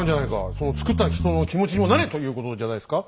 その造った人の気持ちにもなれ！ということじゃないですか？